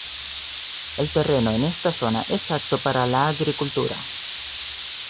El terreno en esta zona es apto para la agricultura.